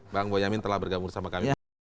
bang boyamin telah bergabung bersama kami